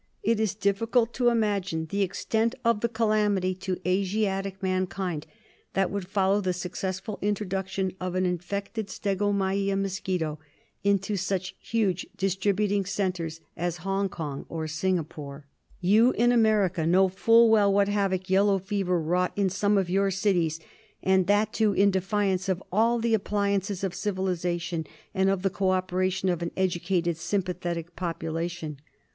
It is difficult to imagine the extent of the calamity to Asiatic man THE PANAMA CANAL. 215 kind that would follow the successful introduction of an infected stegomyia mosquito into such huge distributing centres as Hong Kong or Singapore. You in America know full well what havoc yellow fever wrought in some of your cities, and that, too, in defiance of all the appli ances of civilisation and of the co operation of an educated sympathetic population.